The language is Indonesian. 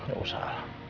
gak usah lah